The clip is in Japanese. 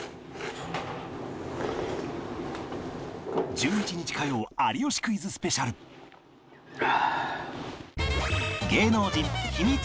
１１日火曜『有吉クイズ』スペシャルはあ。